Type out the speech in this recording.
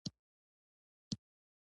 د پښتون زرغون ځمکې حاصلخیزه دي